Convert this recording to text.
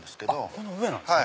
この上なんですね。